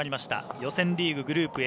予選リーググループＡ